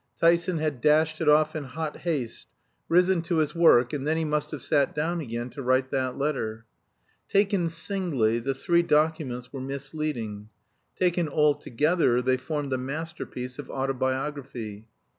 Tyson had dashed it off in hot haste, risen to his work, and then he must have sat down again to write that letter. Taken singly, the three documents were misleading; taken altogether, they formed a masterpiece of autobiography.